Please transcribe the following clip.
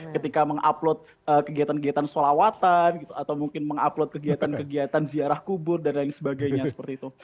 ketika mengupload kegiatan kegiatan sholawatan gitu atau mungkin mengupload kegiatan kegiatan ziarah kubur dan lain sebagainya seperti itu